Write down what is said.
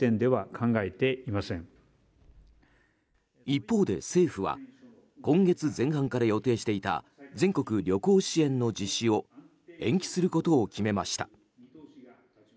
一方で政府は今月前半から予定していた全国旅行支援の実施を延期することを決めました。